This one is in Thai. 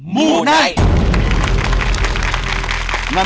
มูไหน